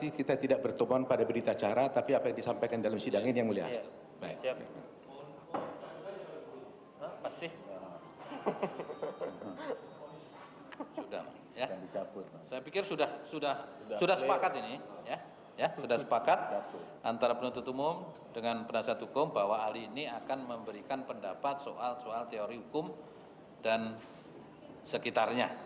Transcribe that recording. sudah sepakat ini ya sudah sepakat antara penutup umum dengan penasihat hukum bahwa ahli ini akan memberikan pendapat soal soal teori hukum dan sekitarnya